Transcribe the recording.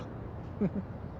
フフ。